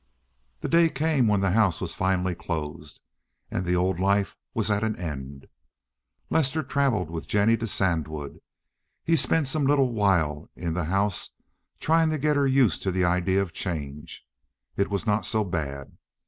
The day came when the house was finally closed and the old life was at an end. Lester traveled with Jennie to Sandwood. He spent some little while in the house trying to get her used to the idea of change—it was not so bad.